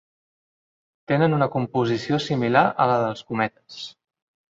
Tenen una composició similar a la dels cometes.